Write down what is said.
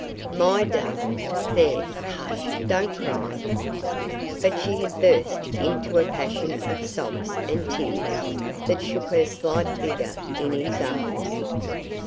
"My darling! There; hush don't cry!" But she had burst into a passion of sobs and tears, that shook her slight figure in his arms.